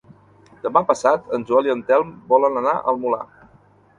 Demà passat en Joel i en Telm volen anar al Molar.